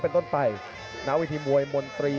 เป็นต้นไปณวิธีมวยมนตรี